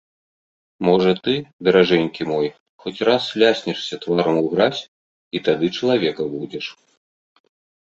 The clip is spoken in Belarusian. Можа ты, даражэнькі мой, хоць раз ляснешся тварам у гразь і тады чалавекам будзеш.